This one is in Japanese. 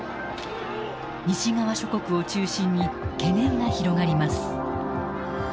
西側諸国を中心に懸念が広がります。